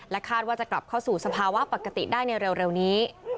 คาดว่าจะกลับเข้าสู่สภาวะปกติได้ในเร็วนี้